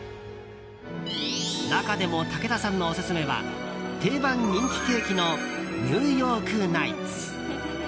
中でも武田さんのオススメは定番人気ケーキのニューヨークナイツ。